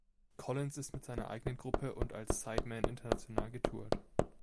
Collins ist mit seiner eigenen Gruppe und als Sideman international getourt.